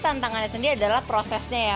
tantangannya sendiri adalah prosesnya ya